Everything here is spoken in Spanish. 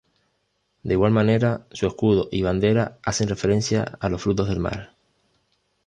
De igual manera su escudo y bandera hacen referencia a los frutos del mar.